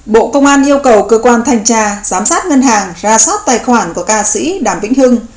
bộ công an yêu cầu cơ quan thanh tra giám sát ngân hàng ra soát tài khoản của ca sĩ đàm vĩnh hưng